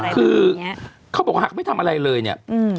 คือเขาบอกว่าหากไม่ทำอะไรเลยเนี่ย